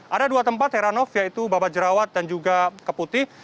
ada dua tempat heranov yaitu babat jerawat dan juga keputih